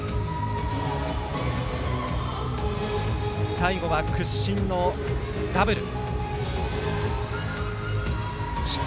最後は屈身のダブル。